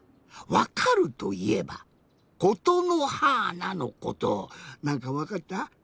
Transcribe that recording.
わかるといえば「ことのはーな」のことなんかわかった？